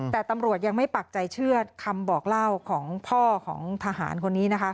แต่ตำรวจยังไม่ปักใจเชื่อคำบอกเล่าของพ่อของทหารคนนี้นะคะ